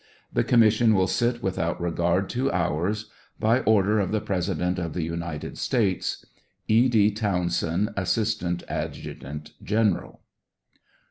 The commission will sit without regard to hours. By order of the President of the United States : E. D. TOWNSEND, Assistant Adjutant General.